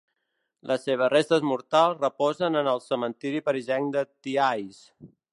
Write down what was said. Les seves restes mortals reposen en el cementiri parisenc de Thiais.